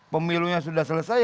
pemilunya sudah selesai